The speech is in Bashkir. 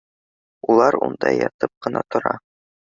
Улар унда ятып ҡына тора